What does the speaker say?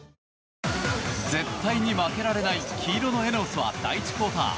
絶対に負けられない黄色のＥＮＥＯＳは第１クオーター。